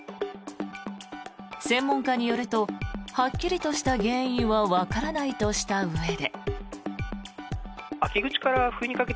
専門家によるとはっきりとした原因はわからないとしたうえで。